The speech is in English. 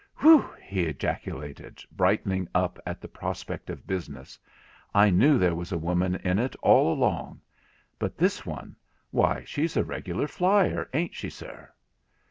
'Whew!' he ejaculated, brightening up at the prospect of business. 'I knew there was a woman in it all along—but this one, why, she's a regular flier, ain't she, sir?'